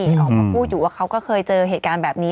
ออกมาพูดอยู่ว่าเขาก็เคยเจอเหตุการณ์แบบนี้